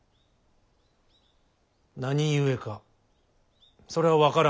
何故かそれは分からぬ。